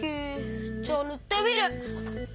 じゃあぬってみる！